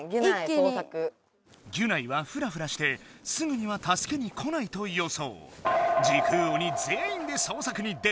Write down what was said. ギュナイはフラフラしてすぐには助けに来ないと予想。